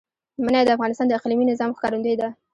منی د افغانستان د اقلیمي نظام ښکارندوی ده.